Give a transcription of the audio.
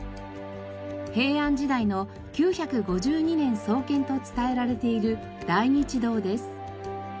平安時代の９５２年創建と伝えられている大日堂です。